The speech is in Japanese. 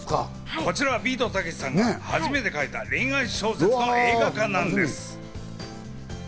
こちらはビートたけしさんが初めて書いた、恋愛小説の映画化なんです。